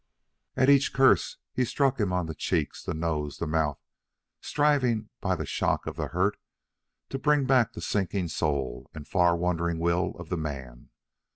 At each curse he struck him on the cheeks, the nose, the mouth, striving, by the shock of the hurt, to bring back the sinking soul and far wandering will of the man.